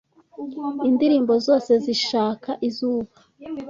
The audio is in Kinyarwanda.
Indirimbo zose zishaka izuba,